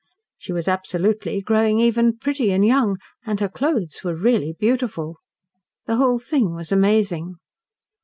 She was absolutely growing even pretty and young, and her clothes were really beautiful. The whole thing was amazing.